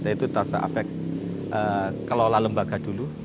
yaitu terutama apek kelola lembaga dulu